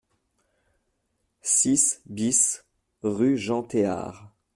six BIS rue Jean Théard